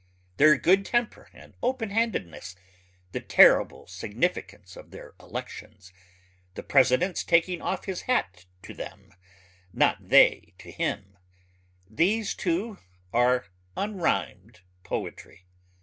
their good temper and open handedness the terrible significance of their elections the President's taking off his hat to them, not they to him these too are unrhymed poetry.